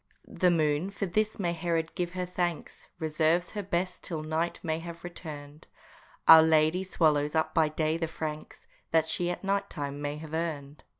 The moon for this may Herod give her thanks! Reserves her best till night may have returned; Our lady swallows up by day the francs That she at night time may have earned.